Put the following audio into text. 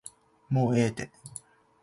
もうええて